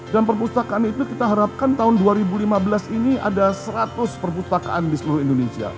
dan perpustakaan itu kita harapkan tahun dua ribu lima belas ini ada seratus perpustakaan di seluruh indonesia